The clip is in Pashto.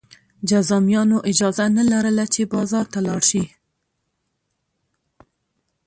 جذامیانو اجازه نه لرله چې بازار ته لاړ شي.